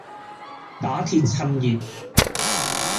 打鐵趁熱